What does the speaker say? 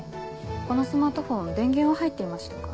このスマートフォン電源は入っていましたか？